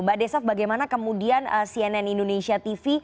mbak desaf bagaimana kemudian cnn indonesia tv